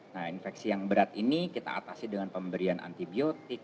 nah infeksi yang berat ini kita atasi dengan pemberian antibiotik